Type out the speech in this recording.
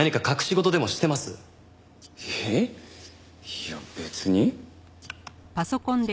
いや別に。